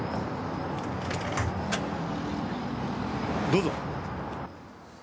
どうぞ。